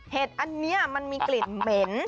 อันนี้มันมีกลิ่นเหม็น